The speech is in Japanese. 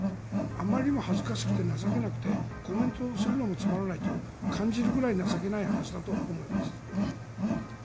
あまりにも恥ずかしくて情けなくてコメントするのもつまらないと感じるくらい情けない話だと思います。